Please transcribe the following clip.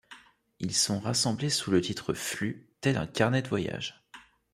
Ils sont rassemblés sous le titre Flux, tel un carnet de voyage.